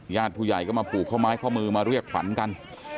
ญาติผู้ใหญ่ก็มาผูกข้อไม้ข้อมือมาเรียกขวัญกัน